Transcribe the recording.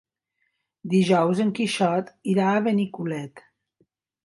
Dijous en Quixot irà a Benicolet.